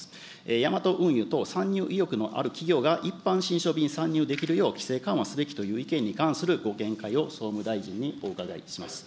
ヤマト運輸等、参入意欲のある企業が一般信書便参入できるよう規制緩和すべきという意見に関するご見解を総務大臣にお伺いします。